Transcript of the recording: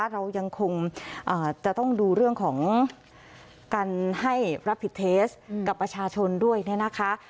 เรายังคงจะต้องดูเรื่องของการให้รับผิดเทสกับประชาชนด้วยเนี่ยนะคะ